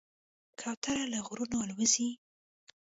کوتره له غرونو الوزي.